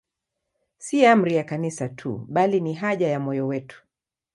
Si amri ya Kanisa tu, bali ni haja ya moyo wetu.